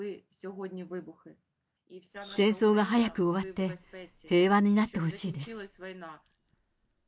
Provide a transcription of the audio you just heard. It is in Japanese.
戦争が早く終わって、平和になってほしいです。